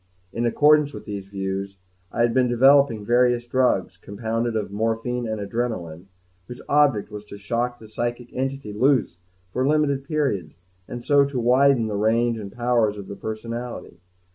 In accordance with these views, I had been developing various drugs, compounded of morphine and adrenalin, whose object was to shock the psychic entity loose for limited periods and so to widen the range and powers of the personality.